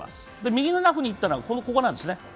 右のラフに行ったのはここなんですね。